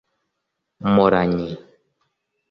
Mporanyi